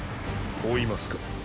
追いますか？